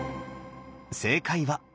正解は。